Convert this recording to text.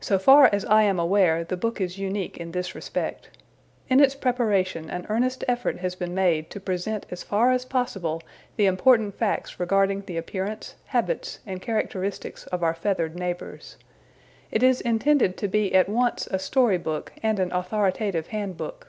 So far as I am aware the book is unique in this respect. In its preparation an earnest effort has been made to present as far as possible the important facts regarding the appearance, habits and characteristics of our feathered neighbors. It is intended to be at once a story book and an authoritative handbook.